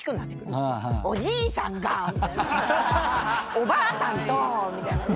「おばあさんと」みたいなね。